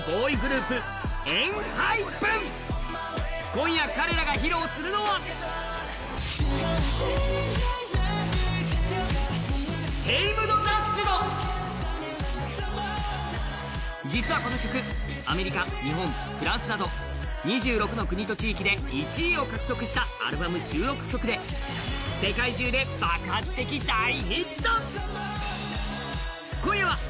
今夜、彼らが披露するのは実はこの曲、アメリカ、日本、フランスなど、２６の国と地域で１位を獲得したアルバム収録曲で世界中で爆発的大ヒット。